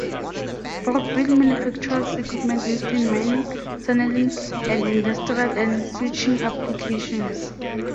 Brookville manufactures equipment used in mining, tunneling, and industrial and switching applications.